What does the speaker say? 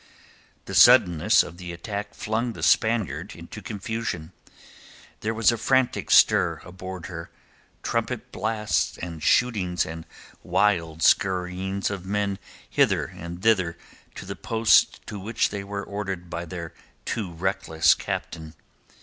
The suddenness of the attack flung the Spaniard into confusion. There was a frantic stir aboard her, trumpet blasts and shootings and wild scurryings of men hither and thither to the posts to which they were ordered by their too reckless captain.